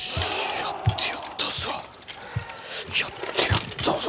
やってやったぞ。